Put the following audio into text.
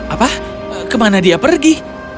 apa kemana dia pergi